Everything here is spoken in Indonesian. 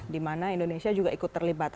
dimana indonesia juga terlibat